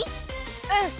うん。